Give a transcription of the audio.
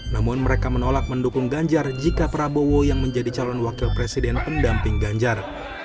namun mereka menolak mendukung ganjar jika prabowo yang menjadi calon wakil presiden pendamping ganjar